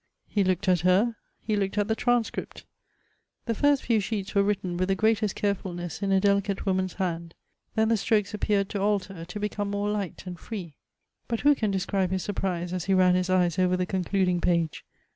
He looked at her — he looked at the transcript. The first few sheets were written with the greatest carefulness in a delicate woman's hand — then the strokes appeared to alter, to become more light and free — but who can describe hia. surprise as he ran his eyes over the concluding page?